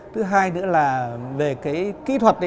thứ hai nữa là về cái kỹ thuật